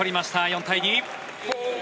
４対２。